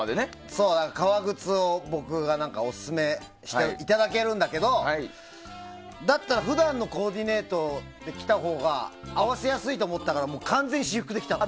そう、革靴を、僕がオススメしていただけるんだけどだったら普段のコーディネートできたほうが合わせやすいと思ったから完全に私服で来たの。